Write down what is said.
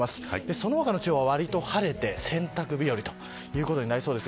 その他の地方は、わりと晴れて洗濯日和となりそうです。